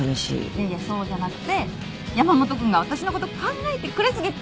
いやいやそうじゃなくて山本君が私のこと考えてくれ過ぎって話！